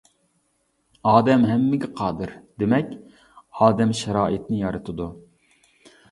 ئادەم ھەممىگە قادىر، دېمەك ئادەم شارائىتنى يارىتىدۇ.